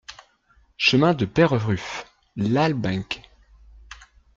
Chemin de Peyrerufe, Lalbenque